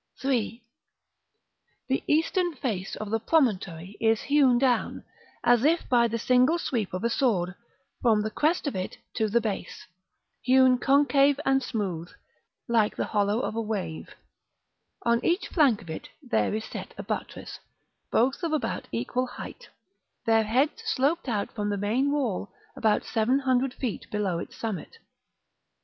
§ III. The eastern face of the promontory is hewn down, as if by the single sweep of a sword, from the crest of it to the base; hewn concave and smooth, like the hollow of a wave: on each flank of it there is set a buttress, both of about equal height, their heads sloped out from the main wall about seven hundred feet below its summit.